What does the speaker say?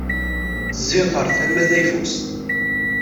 Zziɣ ar tama tayeffust.